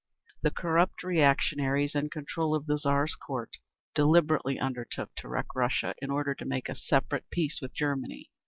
The corrupt reactionaries in control of the Tsar's Court deliberately undertook to wreck Russia in order to make a separate peace with Germany.